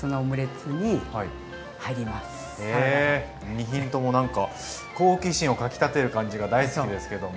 ２品ともなんか好奇心をかきたてる感じが大好きですけども。